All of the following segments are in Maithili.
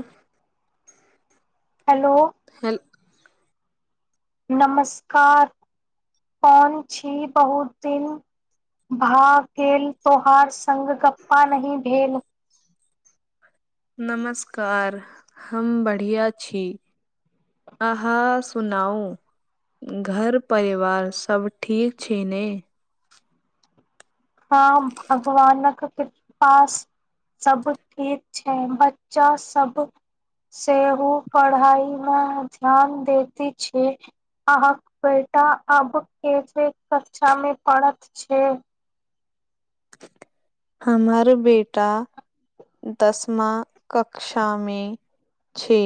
उँह हेलो हेल नमस्कार कोन छी बहुत दिन भा गेल तोहार संग गप्पा नही भेल। नमस्कार हम बढ़िया छी, अहाँ सुनाउ घर परिवार सब ठीक छै ने। हाँ भगवानक कृपा से सब ठीक छै, बच्चा सब सेहो पढ़ाई मे ध्यान देैत छै, अहाँ के बेटा अब केचे कक्षा मे पढ़त छे। हमर बेटा दसमा कक्षा मे छै,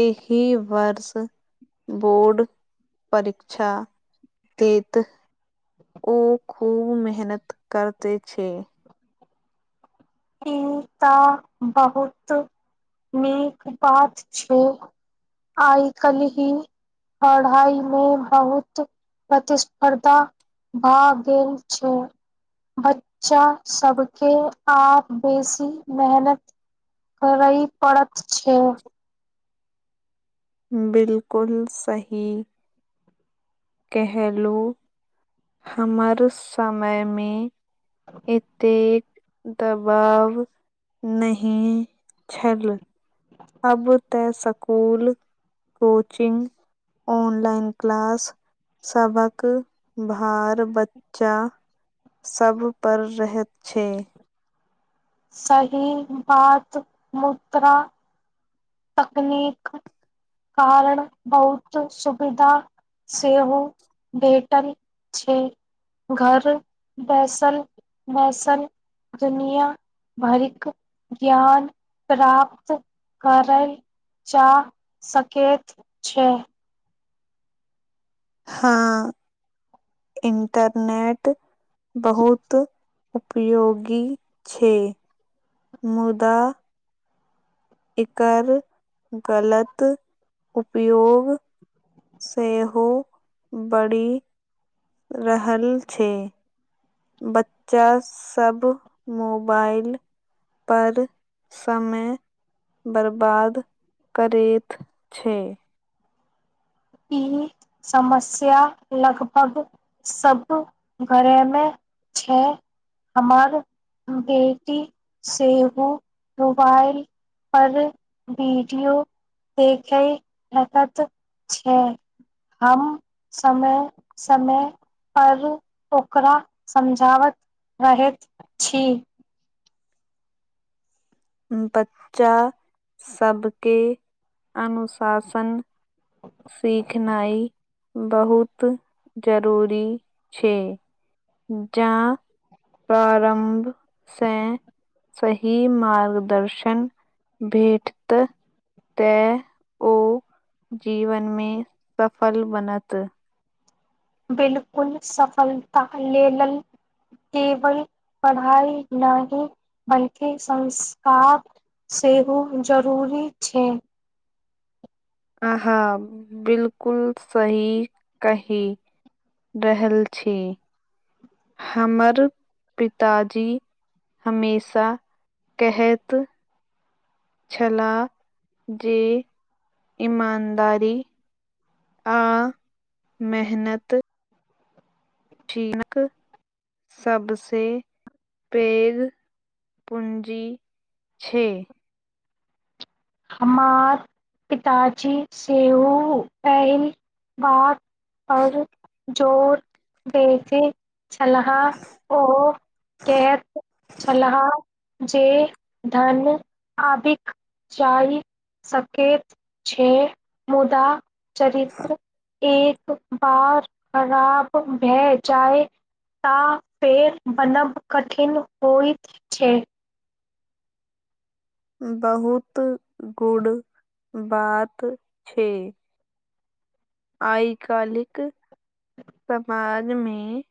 एहि वर्ष बोर्ड परीक्षा देैत, ओ खूब मेहनत करते छै। ई तऽ बहुत नीक बात छै, आय कल्हि पढ़ाई मे बहुत प्रतिस्पर्धा भा गेल छै, बच्चा सबके आब बेसी मेहनत करय पड़त छै। बिलकुल सही केहलु हमर समय मे एतेक दबाव नहि छल। अब ते सकुल, कोचिंग, ऑनलाइन क्लास सबक भार बच्चा सब पर रहत छै। सही बात मुद्रा तकनीक कारण बहुत सुविधा सेहो भेटल छै, घर बैसल-बैसल दुनिया भरिक ज्ञान प्राप्त कर ल जा सकैत छै। हाँ इंटरनेट बहुत उपयोगी छै, मुदा एकर गलत उपयोग सेहो बढ़ि रहल छै। बच्चा सब मुबाएल पर समय बर्बाद करैत छै। ई समस्या लगभग सब घरे मे छै, हमर बेटी सेहो मुबाएल पर वीडियो देखे लगत छै, हम समय-समय पर ओकरा समझाबत रहैत छी। ह्म्म बच्चा सबके अनुशासन सिखनाय बहुत जरूरी छै, जा प्ररम्भ से सही मार्गदर्शन भेटत तै ओ जीवन मे सफल बनत बिलकुल सफलता लेलल केवल पढ़ाई नहि, बल्कि संस्कार सेहो जरूरी छै। अहा बिलकुल सही कहि रहल छी, हमर पिताजी हमेशा केहैत छला जे ईमानदारी आ मेहनत चीनकक सबसे पैघ पूंजी छै। हमर पिताजी सेहो एहि बात पर जोर देैत छलाह ओ कहैत छलाह जे धन आबिक जाय सकैत छै मुदा चरित्र एक बार खराब भए जाय ता फेर बनब कठिन होइत छै। बहुत गुड बात छै। आइ कालिक समाजमे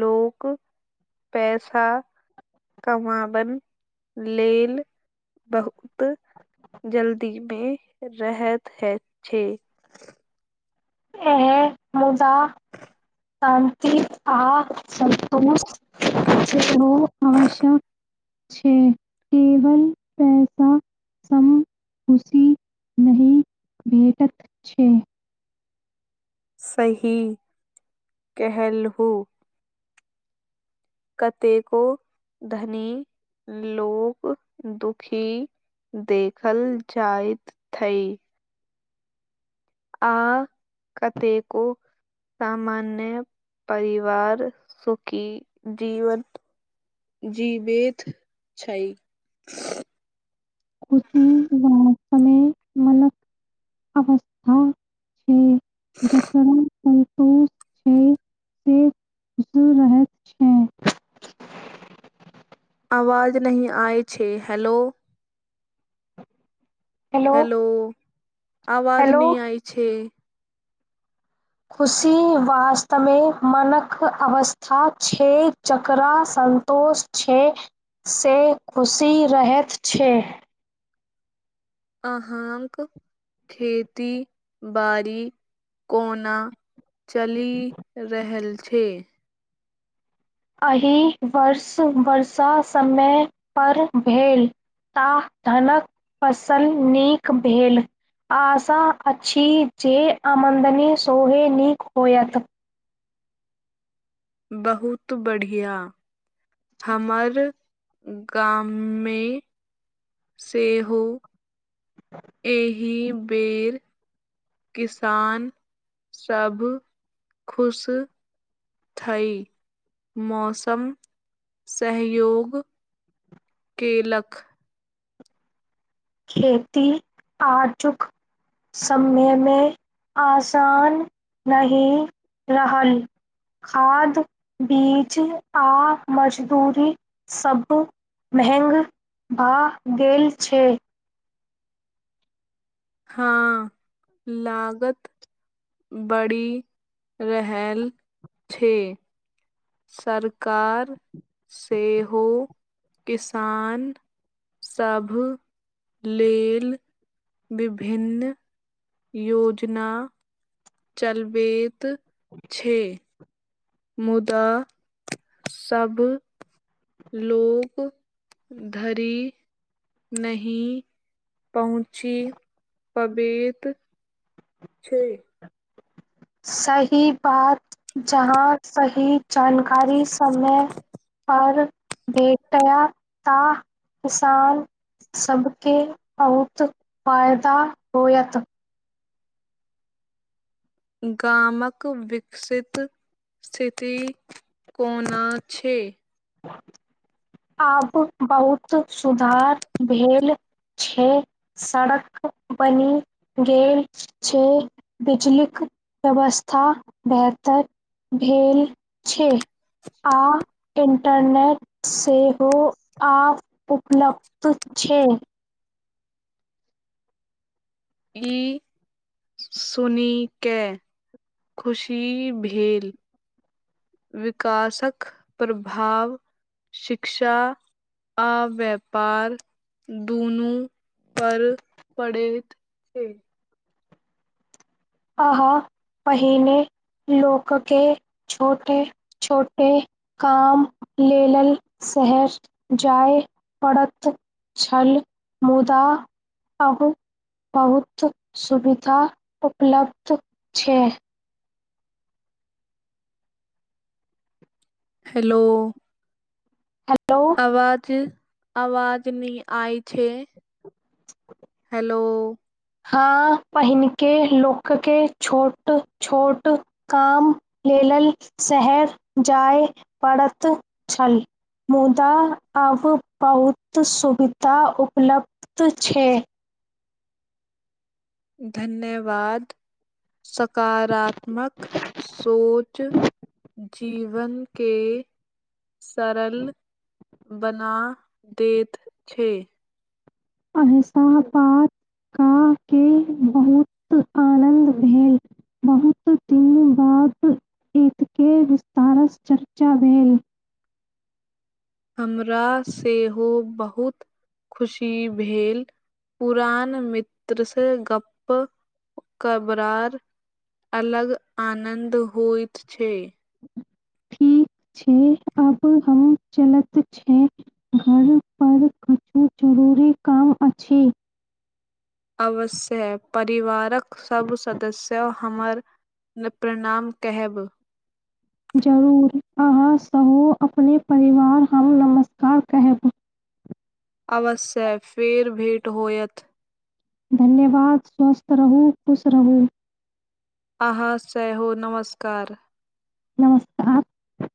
लोक पैसा कमाबन लेल बहुत जल्दीमे रहैत ह छै। एहि मुदा शान्ति आ सन्तोष्ट सेहो आवश्यक छै, केवल पैसा सम खुशी नहि भेटत छै। सही केहलु। कतेको धनी लोग दुखी देखल जाएत थै। आ कतेको सामान्य परिवार सुखी जीवन जीवित छै। खुशी व समय मलक अवस्था छै। जकरन। से रहैत छै आवाज नह आइ छै हैेलो। हेलो हैेलो आवाज न हेलो आय छै। खुशी वास्तवमे मनक अवस्था छै जकरा सन्तोष छै से खुशी रहैत छै। अहाँक खेती बड़ी कोना चलि रहल छै। छ। एहि वर्ष वर्षा समय पर भेल ता धनक फसल नीक भेल आशा अछि जे आमदनी सोहे नीक होयत। बहुत बढ़िया हमर गाममे सेहो ए। ही बेर किसान सब खुश ई मौसम सहयोग केलक। खेती आजुक समय मे आसान नहि रहल खाद बीज आ मजदूरी सब महंग भए गेल छै। हँ लागत बढ़ि रहलल छै। सरकार सेहो किसान सभ लेल विभिन्न योजना चलबैत छै। मुदा सबब लोक धरि नी पहुँची पबत छै। सही बात जहाँ सही जानकारी समय परर भेटय तऽ किसान सबबके बहुत फायदा होयत। गामक विकसित स्थिति कोना छै। आब बहुत सुधार भेल छै सड़क बनि गेल छै बिजलीक व्यवस्था बेहतर भेल छै। आ इन्टरनेट सेहो आ उपलब्ध छै। ई सुने खुशी भेल। विकासक प्रभाव शिक्षा आ व्यापार दुनू पर पड़ैत छै। अह पहिने लोकके छोटे छोटे काम लेल शहर जाय पड़ैत छल मुदा अ बहुत सुविधा उपलब्ध छै। हेलो। हेलो आवाज़ अवाज न आय छै। [inaudible] हेलो। हाँ पहिनके लोक के छोट-छोट काम लेलल शहर जाय पड़त छल, मुदा अब बहुत सुविधा उपलब्ध छै। धन्यवाद, सकारात्मक सोच जीवन के सरल बना दैत छै। अहस पाताके बहुत आनन्द भेल बहुत दिन बाद एतके विस्तारस चर्चा भेल हमरा सेहो बहुत खुशी भेल पुरान मित्रसँ गप्प कबरार अलग आनन्द होइत छै। ठीक छै आब हम चलैत छै घर पर किछु जरूरी काम अछि। अवश्य हय परिवारक सब सदस्य हमर न प्रणाम केहेब। जरूर, अहाँ सहो अपने परिवार हम नमस्कार केहेब। अवश्य फेर भेट होयत। धन्यवाद स्वस्थ रहु, खुश रहु। अहाँ सेहो नमस्कार। नमस्कार।